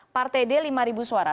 partai d lima suara